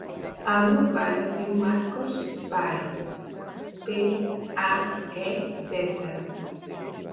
El meu pare es diu Marcos Paez: pe, a, e, zeta.